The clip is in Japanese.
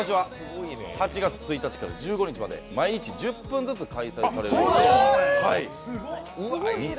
８月１日から１５日まで毎日１０分ずつ開催されます。